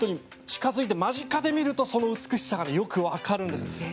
近づいて間近で見るとその美しさが、よく分かります。